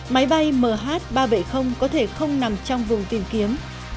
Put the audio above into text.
máy bay mh ba trăm bảy mươi có thể không nằm trong vùng tìm kiếm